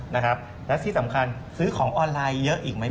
และที่สำคัญซื้อของออนไลน์เยอะอีกไหม